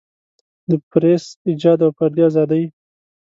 د پریس ایجاد او فردي ازادۍ.